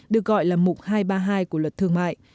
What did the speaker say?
được gọi là mục hai trăm ba mươi hai của luật thương mại